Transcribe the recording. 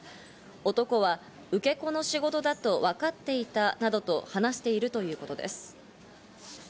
男は受け子の仕事だとわかっていたなどと話しているということです。